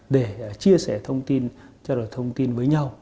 để chia sẻ thông tin trao đổi thông tin với nhau